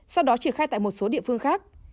sau đó triển khai tại một số địa phương khác